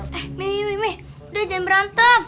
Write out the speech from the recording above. eh mie mie mie udah jangan berantem